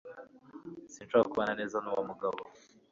Sinshobora kubana neza nuwo mugabo